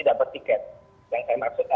dapat tiket yang saya maksud